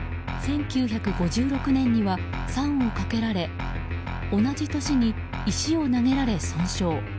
１９５６年には、酸をかけられ同じ年に石を投げられ損傷。